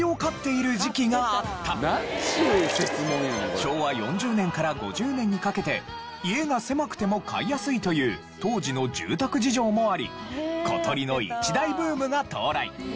昭和４０年から５０年にかけて家が狭くても飼いやすいという当時の住宅事情もあり小鳥の一大ブームが到来。